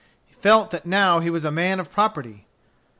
He felt that now he was a man of property.